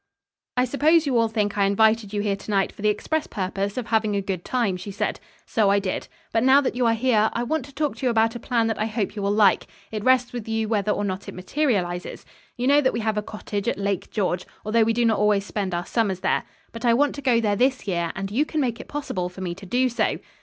"I suppose you all think I invited you here to night for the express purpose of having a good time," she said. "So I did. But now that you are here, I want to talk to you about a plan that I hope you will like. It rests with you whether or not it materializes. You know that we have a cottage at Lake George, although we do not always spend our summers there. But I want to go there this year, and you can make it possible for me to do so."